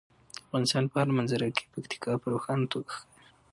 د افغانستان په هره منظره کې پکتیکا په روښانه توګه ښکاري.